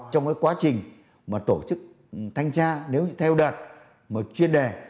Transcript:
trong cái quá trình mà tổ chức thanh tra nếu theo đạt mà chuyên đề